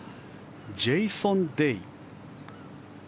ジェイソン・デイ。